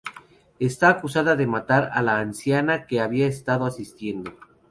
Está acusada de matar a la anciana que había estado asistiendo.